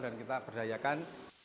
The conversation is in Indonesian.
dan kita perdayakan